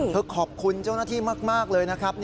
ขอบคุณเจ้าหน้าที่มากเลยนะครับ